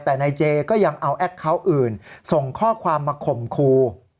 แต่นายเจก็ยังเอาแอคเคาน์อื่นส่งข้อความมาข่มครู